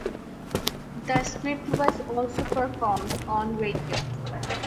The script was also performed on radio.